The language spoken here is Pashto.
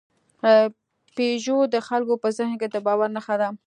پيژو د خلکو په ذهن کې د باور نښه ده.